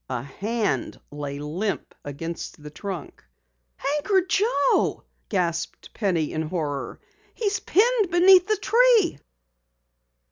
A hand lay limp against the trunk. "Anchor Joe!" gasped Penny in horror. "He's pinned beneath the tree!"